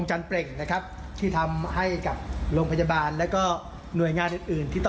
อันนี้ดีอันนี้ดี